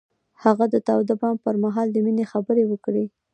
هغه د تاوده بام پر مهال د مینې خبرې وکړې.